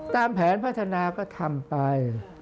ตามแผนพัฒนาก็ทำไป